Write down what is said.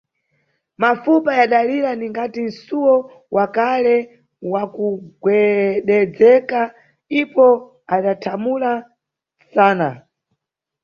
Mafupa yadalira ningati msuwo wa kale wakugwededzeka, ipo adathamula msana.